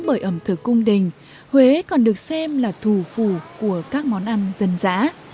bởi ẩm thực cung đình huế còn được xem là thủ phủ của các món ăn dân dã